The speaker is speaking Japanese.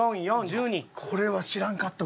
これは知らんかった。